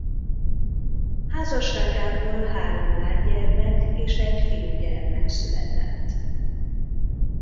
Házasságából három lánygyermek és egy fiúgyermek született.